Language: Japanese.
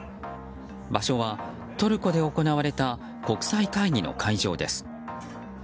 場所はトルコで行われた国際会議の会場です。